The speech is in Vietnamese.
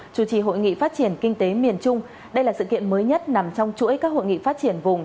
chủ trì hội nghị phát triển kinh tế miền trung đây là sự kiện mới nhất nằm trong chuỗi các hội nghị phát triển vùng